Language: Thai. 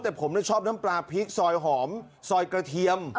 แต่ผมชอบน้ำปลาพริกซอยหอมซอยกระเทียม